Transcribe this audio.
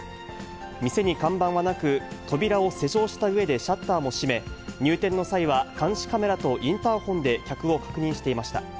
店に看板はなく、扉を施錠したうえでシャッターも閉め、入店の際は監視カメラとインターホンで客を確認していました。